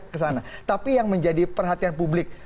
kesana tapi yang menjadi perhatian publik